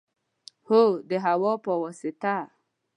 هو، د هوا په واسطه